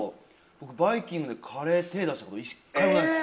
僕バイキングでカレー手ぇ出した事１回もないです。